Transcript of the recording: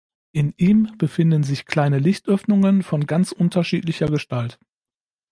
In ihm befinden sich kleine Lichtöffnungen von ganz unterschiedlicher Gestalt.